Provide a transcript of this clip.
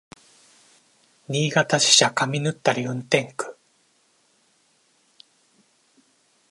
新潟支社上沼垂運転区